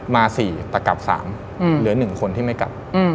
มา๔แต่กลับ๓เหลือ๑คนที่ไม่กลับ